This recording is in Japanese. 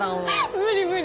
無理無理。